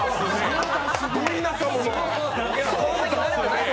ど田舎者。